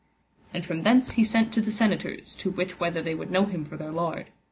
And from thence he sent to the senators, to wit whether they would know him for their lord.